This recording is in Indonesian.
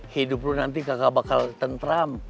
hidup lu nanti kakak bakal tentram